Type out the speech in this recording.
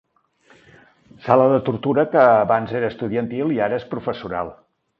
Sala de tortura que abans era estudiantil i ara és professoral.